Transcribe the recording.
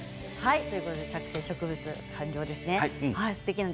着生植物、完了です。